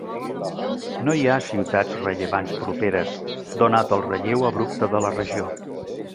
No hi ha ciutats rellevants properes, donat el relleu abrupte de la regió.